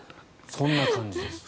そんな感じです。